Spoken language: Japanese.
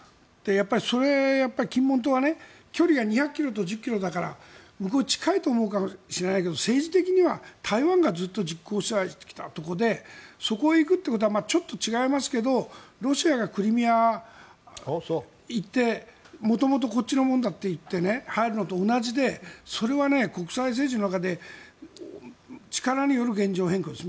それは金門島は、距離が２００ｋｍと１０ｋｍだから向こう近いと思うかもしれないけど政治的には台湾がずっと実効支配してきたところでそこへ行くということはちょっと違いますがロシアがクリミアに行って元々、こっちのものだといって入るのと同じでそれは国際政治の中で力による現状変更です。